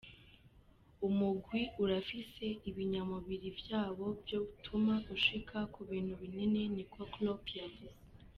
"Umugwi urafise ibinyamubiri vyawo vyotuma ushika ku bintu binini," niko Klopp yavuze.